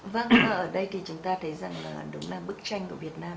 vâng ở đây thì chúng ta thấy rằng là đúng là bức tranh của việt nam